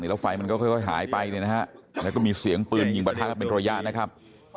แล้วไฟมันก็ค่อยหายไปเลยนะครับแล้วก็มีเสียงปืนยิงบะทะเป็นทรยานะครับ